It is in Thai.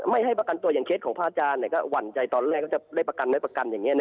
ไม่ให้ประกันตัวอย่างเคสของพระอาจารย์ก็หวั่นใจตอนแรกก็จะได้ประกันได้ประกันอย่างนี้